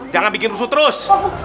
jangan bikin rusuh terus